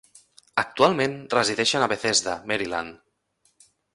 Actualment resideixen a Bethesda, Maryland.